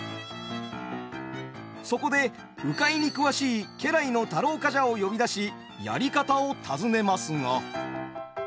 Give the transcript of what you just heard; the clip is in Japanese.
そこで鵜飼に詳しい家来の太郎冠者を呼び出しやり方を尋ねますが。